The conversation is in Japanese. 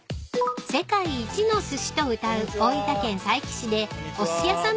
［世界一のすしとうたう大分県佐伯市でおすし屋さん